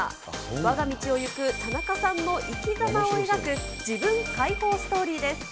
わが道をゆく田中さんの生き様を描く、ジブン解放ストーリーです。